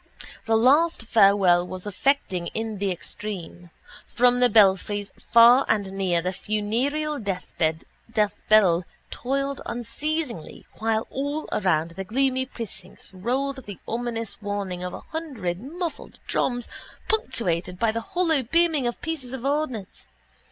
The last farewell was affecting in the extreme. From the belfries far and near the funereal deathbell tolled unceasingly while all around the gloomy precincts rolled the ominous warning of a hundred muffled drums punctuated by the hollow booming of pieces of ordnance.